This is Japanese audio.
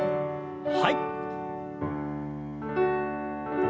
はい。